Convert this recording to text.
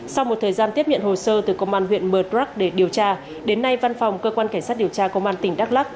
sau một thời gian tiếp nhận hồ sơ từ công an huyện mờ đrắc để điều tra đến nay văn phòng cơ quan cảnh sát điều tra công an tỉnh đắk lắc